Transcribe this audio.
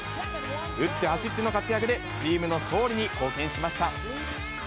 打って走っての活躍で、チームの勝利に貢献しました。